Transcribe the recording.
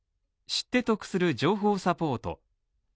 知って得する情報サポート。